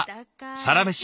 「サラメシ」